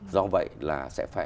do vậy là sẽ phải